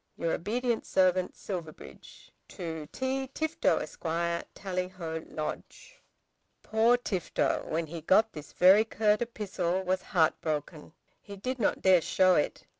Your obedient Servant, SILVERBRIDGE. To T. Tifto, Esq., Tallyho Lodge. Poor Tifto, when he got this very curt epistle, was broken hearted. He did not dare to show it.